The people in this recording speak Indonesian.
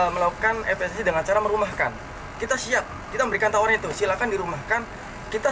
melakukan fsc dengan cara merumahkan kita siap kita memberikan tawar itu silakan dirumahkan kita